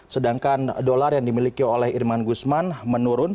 sedangkan dolar yang dimiliki oleh irman gusman menurun